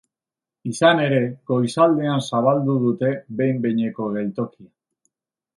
Izan ere, goizaldean zabaldu dutebehin-behineko geltokia.